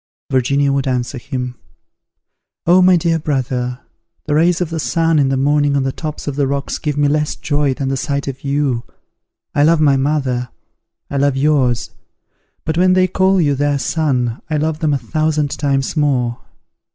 Virginia would answer him, "Oh, my dear brother, the rays of the sun in the morning on the tops of the rocks give me less joy than the sight of you. I love my mother, I love yours; but when they call you their son, I love them a thousand times more.